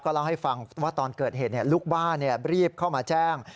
เล่าให้ฟังว่าตอนเกิดเหตุลูกบ้านรีบเข้ามาแจ้ง